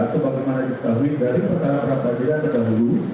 sebagaimana diketahui dari perkara peradilan terdahulu